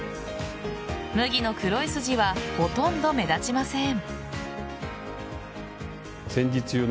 麦の黒い筋はほとんど目立ちません。